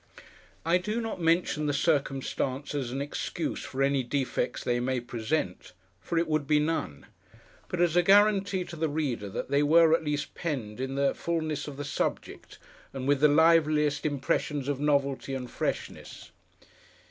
I do not mention the circumstance as an excuse for any defects they may present, for it would be none; but as a guarantee to the Reader that they were at least penned in the fulness of the subject, and with the liveliest impressions of novelty and freshness.